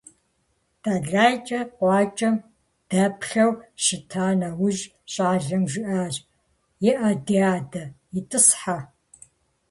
ТэлайкӀэ къуакӀэм дэплъэу щыта нэужь, щӀалэм жиӀащ: - ИӀэ, ди адэ, итӀысхьэ.